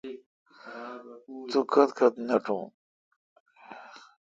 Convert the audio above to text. توکت کت نٹوں۔